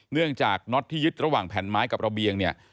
เนื่องจากน็อตที่ยึดระหว่างแผ่นไม้กับระเบียงเนี่ย